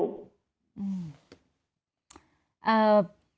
อืม